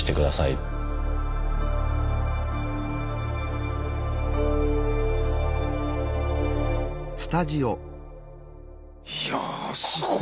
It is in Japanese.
いやすごい。